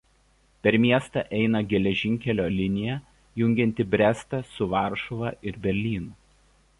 Per miestą eina geležinkelio linija jungianti Brestą su Varšuva ir Berlynu.